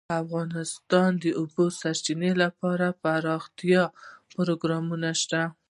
افغانستان کې د د اوبو سرچینې لپاره دپرمختیا پروګرامونه شته.